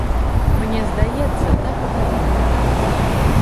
Мне здаецца, так і павінна быць.